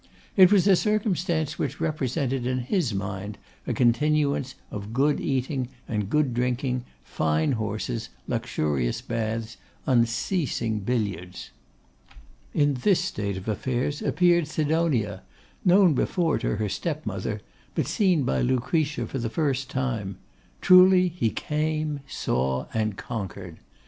It was a circumstance which represented in his mind a continuance of good eating and good drinking, fine horses, luxurious baths, unceasing billiards. In this state of affairs appeared Sidonia, known before to her step mother, but seen by Lucretia for the first time. Truly, he came, saw, and conquered.